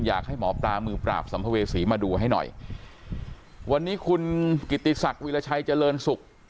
อยากให้หมอปลามือปราบสัมภเวษีมาดูให้หน่อยวันนี้คุณกิติศักดิ์วิราชัยเจริญศุกร์